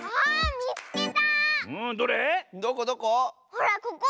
ほらここ。